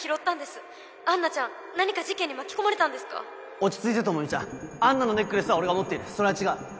落ち着いて朋美ちゃんアンナのネックレスは俺が持っているそれは違う！